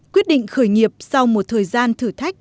quyết định khởi nghiệp sau một thời gian thử thách